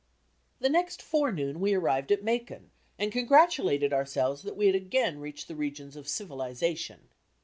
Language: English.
The next forenoon we arrived at Macon, and congratulated ourselves that we had again reached the regions of civilization.